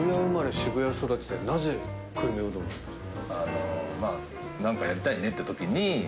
渋谷育ちでなぜ久留米うどんなんですか？